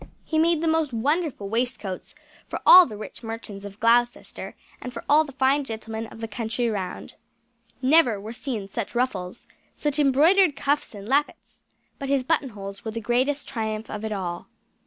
He made the most wonderful waistcoats for all the rich merchants of Gloucester, and for all the fine gentlemen of the country round. Never were seen such ruffles, or such embroidered cuffs and lappets! But his button holes were the greatest triumph of it all.